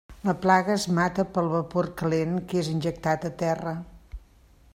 La plaga es mata pel vapor calent que és injectat a terra.